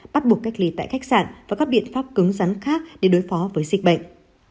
bắt buộc cách ly tại khách sạn và các biện pháp cứng rắn khác để đối phó với dịch bệnh